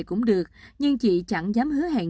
cũng được nhưng chị chẳng dám hứa hẹn